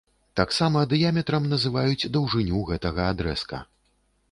Таксама дыяметрам называюць даўжыню гэтага адрэзка.